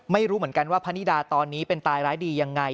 ไม่รู้เหมือนกันว่าพนิดาตอนนี้เป็นตายร้ายดียังไง